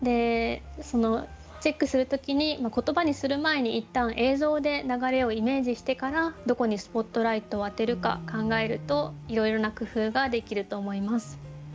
チェックする時に言葉にする前にいったん映像で流れをイメージしてからどこにスポットライトを当てるか考えるといろいろな工夫ができると思います。